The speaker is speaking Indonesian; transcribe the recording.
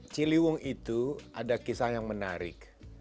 ciliwung itu ada kisah yang menarik